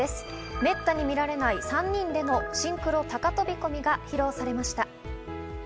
滅多に見られない、３人でのシンクロ高飛び込みが披露されました。